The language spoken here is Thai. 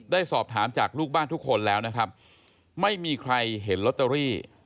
ได้สอบถามจากลูกบ้านทุกคนแล้วนะครับไม่มีใครเห็นลอตเตอรี่